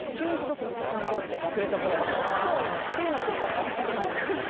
っていうのを繰り返してます。